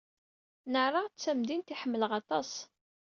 Nara d tamdint ay ḥemmleɣ aṭas.